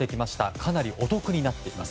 かなりお得になってきます。